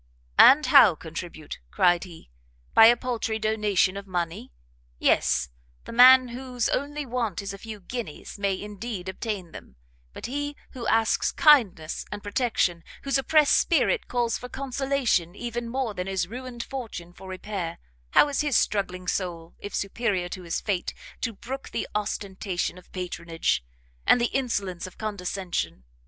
"And how contribute?" cried he, "by a paltry donation of money? Yes, the man whose only want is a few guineas, may, indeed, obtain them; but he who asks kindness and protection, whose oppressed spirit calls for consolation even more than his ruined fortune for repair, how is his struggling soul, if superior to his fate, to brook the ostentation of patronage, and the insolence of condescension?